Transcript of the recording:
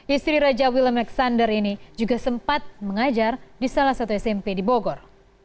istri raja willem alexander ini juga sempat mengajar di salah satu smp di bogor